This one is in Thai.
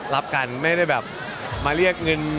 รับกันไม่ได้แบบมาเรียกเงิน